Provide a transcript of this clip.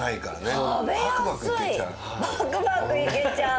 バクバクいけちゃう。